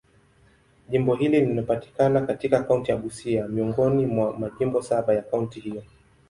Jimbo hili linapatikana katika kaunti ya Busia, miongoni mwa majimbo saba ya kaunti hiyo.